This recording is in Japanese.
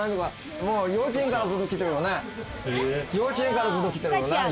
幼稚園の頃からずっと来てるよね。